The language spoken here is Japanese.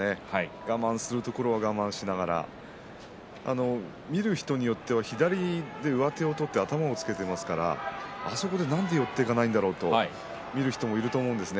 我慢するところは我慢しながら見る人によっては左で上手を取って頭をつけていますからあそこでなんで寄っていかないんだろうと見る人もいると思うんですね。